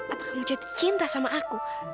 apa kamu jatuh cinta sama aku